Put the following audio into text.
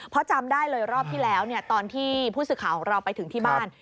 เพราะจำได้เลยรอบที่แล้วตอนที่ผู้สื่อข่าวของเราไปถึงที่บ้าน